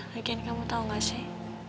lagi kamu tahu nggak sih